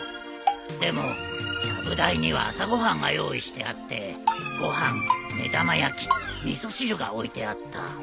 でもちゃぶ台には朝ご飯が用意してあってご飯目玉焼き味噌汁が置いてあった。